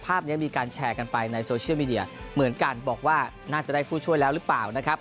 ภาพนี้มีการแชร์กันไปในโซเชียลมีเดียเหมือนกันบอกว่าน่าจะได้ผู้ช่วยแล้วหรือเปล่านะครับ